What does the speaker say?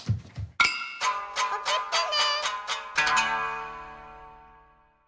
おくってね。